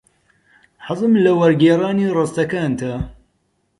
حەزم لە وەرگێڕانی ڕستەکانتانە.